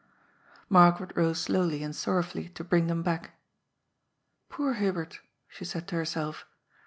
Margaret rose slowly and sorrowfully to bring them back. " Poor Hubert !" she said to herself.